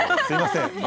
すいません。